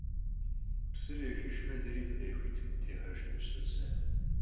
Псыр ехыжмэ, дэри дуней хуитым дытехьэжынущ, тӀасэ!